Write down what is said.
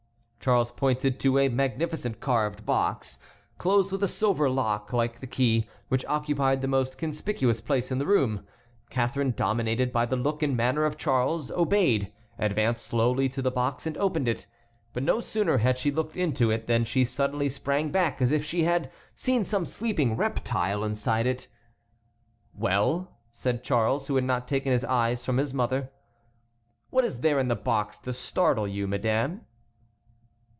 Charles pointed to a magnificent carved box, closed with a silver lock, like the key, which occupied the most conspicuous place in the room. Catharine, dominated by the look and manner of Charles, obeyed, advanced slowly to the box, and opened it. But no sooner had she looked into it than she suddenly sprang back as if she had seen some sleeping reptile inside it. "Well," said Charles, who had not taken his eyes from his mother, "what is there in the box to startle you, madame?"